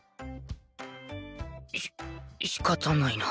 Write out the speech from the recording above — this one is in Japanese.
し仕方ないな